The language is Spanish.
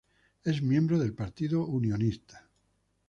Es miembro del Partido Unionista.